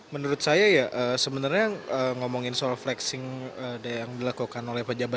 menurut saya ya sebenarnya ngomongin soal flexing yang dilakukan oleh pejabat